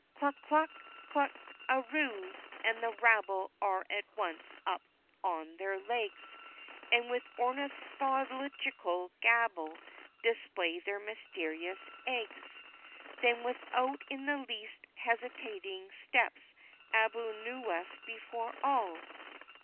"Cluck, cluck, cluck aroo!" and the rabble are all at once up on their legs, And with ornithological gabble display their mysterious eggs. Then without in the least hesitating steps Abu Nuwas before all.